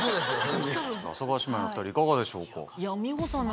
阿佐ヶ谷姉妹のお２人いかがでしょうか？